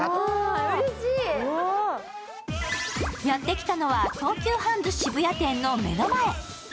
やってきたのは東急ハンズ渋谷店の目の前。